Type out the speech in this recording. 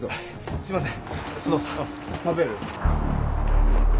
すいません。